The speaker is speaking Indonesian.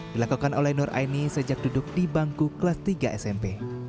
dilakukan oleh nur aini sejak duduk di bangku kelas tiga smp